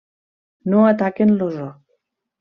No ataquen l'ozó.